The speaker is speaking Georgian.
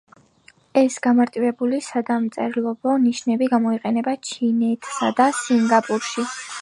ეს გამარტივებული სადამწერლობო ნიშნები გამოიყენება ჩინეთსა და სინგაპურში.